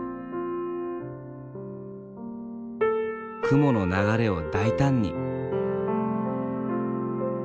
雲の流れを大胆に。